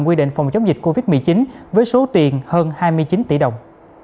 quy định phòng chống dịch covid một mươi chín với số tiền hơn hai mươi chín tỷ đồng